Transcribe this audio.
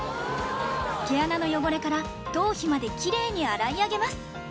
毛穴の汚れから頭皮までキレイに洗い上げます